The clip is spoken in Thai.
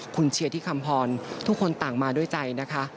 คุณเชียร์ที่คำพรทุกคนต่างมาด้วยใจนะคะ